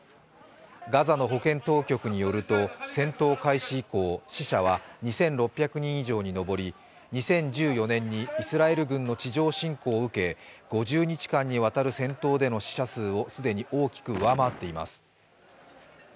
ガザの保健当局によると戦闘開始以降、死者は２６００人以上に上り、２０１４年にイスラエル軍の地上侵攻を受け５０日間にわたる戦闘での死者数を既に大きく上回っています。